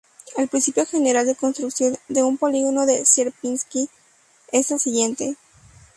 El principio general de construcción de un polígono de Sierpinski es el siguiente.